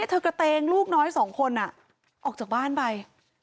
เธอกระเตงลูกน้อยสองคนออกจากบ้านไป